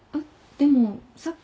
でもさっき。